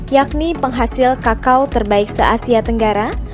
yakni penghasil kakao terbaik se asia tenggara